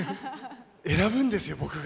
選ぶんですよ、僕が。